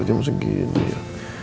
jam segini ya